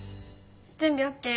準備ＯＫ。